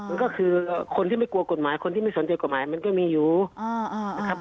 มันก็คือคนที่ไม่กลัวกฎหมายคนที่ไม่สนใจกฎหมายมันก็มีอยู่นะครับ